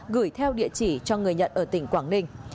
gửi theo địa chỉ cho người nhận ở tỉnh quảng ninh